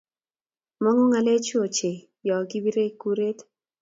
mangu ngalechu ochei yo kibirei kuret